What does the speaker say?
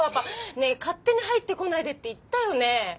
ねえ勝手に入ってこないでって言ったよね。